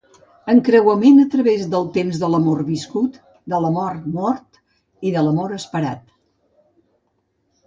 Encreuament a través del temps de l'amor viscut, de l'amor mort i de l'amor esperat.